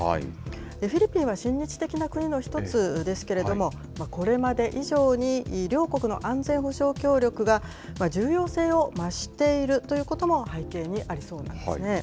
フィリピンは親日的な国の一つですけれども、これまで以上に両国の安全保障協力が重要性を増しているということも背景にありそうなんですね。